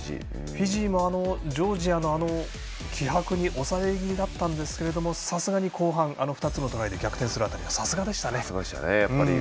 フィジーも、ジョージアの気迫に押され気味だったんですがさすがに、後半あの２つのトライで逆転する場面はさすがでしたね。